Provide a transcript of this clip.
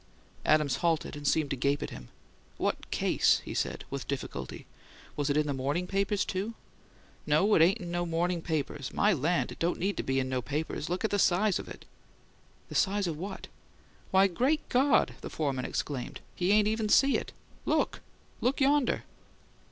Adams halted, and seemed to gape at him. "What case?" he said, with difficulty. "Was it in the morning papers, too?" "No, it ain't in no morning papers. My land! It don't need to be in no papers; look at the SIZE of it!" "The size of what?" "Why, great God!" the foreman exclaimed. "He ain't even seen it. Look! Look yonder!"